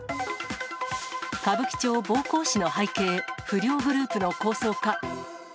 歌舞伎町暴行死の背景、不良グループの抗争か。